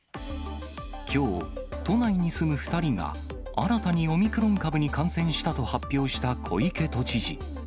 きょう、都内に住む２人が新たにオミクロン株に感染したと発表した小池都知事。